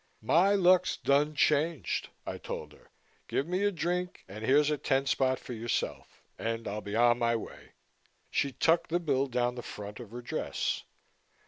"My luck's done changed," I told her. "Give me a drink and here's a ten spot for yourself. And I'll be on my way." She tucked the bill down the front of her dress.